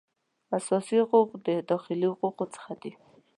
اساسي حقوق د داخلي حقوقو څخه دي